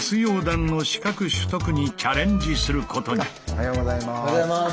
おはようございます。